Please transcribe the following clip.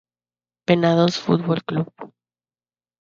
Venados Fútbol Club